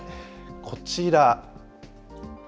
こちら。